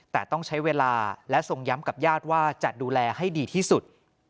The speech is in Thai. แต่ต้องใช้เวลาและทรงย้ำกับญาติว่าจะดูแลให้ดีที่สุด